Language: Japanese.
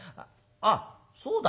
あっそうだ。